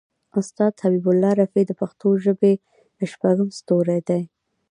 استاد حبیب الله رفیع د پښتو ژبې شپږم ستوری دی.